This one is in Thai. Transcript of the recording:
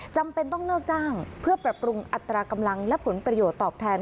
จำเป็นต้องเลิกจ้างเพื่อปรับปรุงอัตรากำลังและผลประโยชน์ตอบแทน